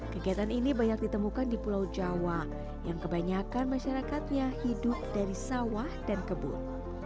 kegiatan ini banyak ditemukan di pulau jawa yang kebanyakan masyarakatnya hidup dari sawah dan kebun